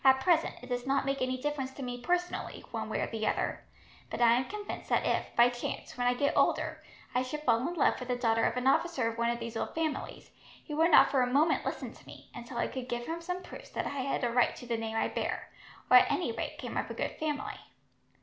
At present, it does not make any difference to me personally, one way or the other, but I am convinced that if, by chance, when I get older, I should fall in love with the daughter of an officer of one of these old families, he would not for a moment listen to me, until I could give him some proofs that I had a right to the name I bear, or at any rate came of a good family.